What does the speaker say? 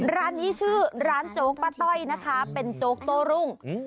ร้านที่ชื่อร้านจ๊อกป้าต้อยเป็นจ๊อกโต้รุ่ง